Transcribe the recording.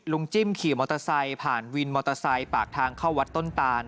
จิ้มขี่มอเตอร์ไซค์ผ่านวินมอเตอร์ไซค์ปากทางเข้าวัดต้นตาน